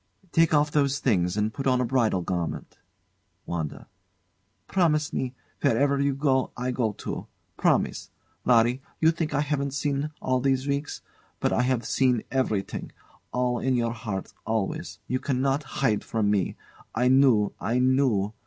] Take off those things and put on a bridal garment. WANDA. Promise me wherever you go, I go too. Promise! Larry, you think I haven't seen, all these weeks. But I have seen everything; all in your heart, always. You cannot hide from me. I knew I knew!